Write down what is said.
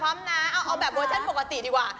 พร้อมนะเอาแบบเวอร์ชั่นปกติดีกว่า